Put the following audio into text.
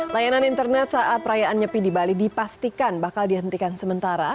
layanan internet saat perayaan nyepi di bali dipastikan bakal dihentikan sementara